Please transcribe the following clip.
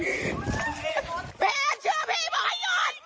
เฟศเชื่อพี่บอกให้หยุด